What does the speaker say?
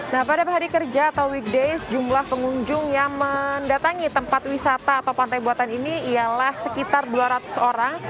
nah pada hari kerja atau weekdays jumlah pengunjung yang mendatangi tempat wisata atau pantai buatan ini ialah sekitar dua ratus orang